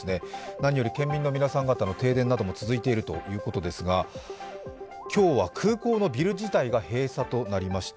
何より県民の皆さん方、停電など続いているということですが今日は空港のビル自体が閉鎖となりました。